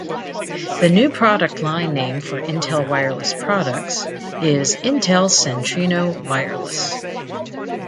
The new product line name for Intel wireless products is Intel Centrino Wireless.